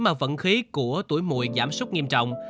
mà vận khí của tuổi mùi giảm súc nghiêm trọng